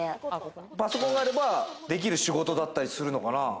パソコンがあればできる仕事だったりするのかな？